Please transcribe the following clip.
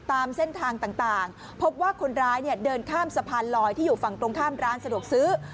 ตามเส้นทางต่างพบว่าคนร้ายเนี่ยเดินข้ามสะพานลอยที่อยู่ฝั่งตรงข้ามร้านสะดวกซื้อ